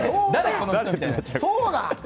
この人みたいな。